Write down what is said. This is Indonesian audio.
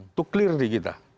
itu clear di kita